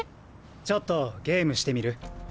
⁉ちょっとゲームしてみる？